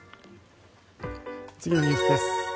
次のニュースです。